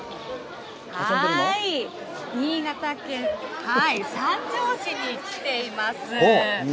新潟県三条市に来ています。